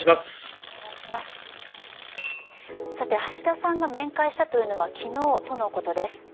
橋田さんが面会したのは昨日とのことです。